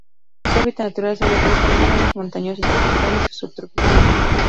Su hábitat natural son los bosques húmedos montañosos tropicales y subtropicales.